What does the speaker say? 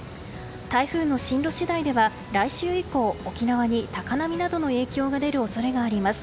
台風の進路次第では来週以降、沖縄に高波などの影響が出る恐れがあります。